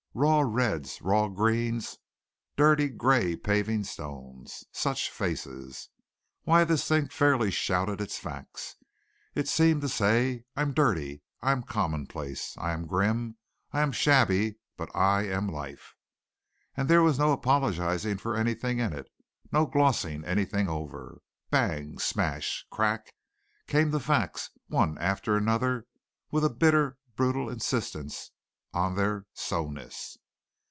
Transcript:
Raw reds, raw greens, dirty grey paving stones such faces! Why this thing fairly shouted its facts. It seemed to say: "I'm dirty, I am commonplace, I am grim, I am shabby, but I am life." And there was no apologizing for anything in it, no glossing anything over. Bang! Smash! Crack! came the facts one after another, with a bitter, brutal insistence on their so ness.